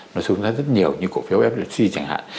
nó xuống ra rất nhiều như cổ phiếu flc chi chẳng hạn